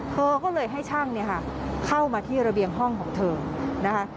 เธอก็เลยให้ช่างเนี่ยค่ะเข้ามาที่ระเบียงห้องของเธอนะคะ